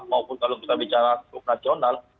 maupun kalau kita bicara struk nasional